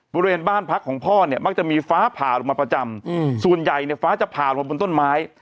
บริเวณบ้านพักของพ่อเนี่ยมักจะมีฟ้าผ่าลงมาประจำส่วนใหญ่เนี่ยฟ้าจะผ่าลงบนต้นไม้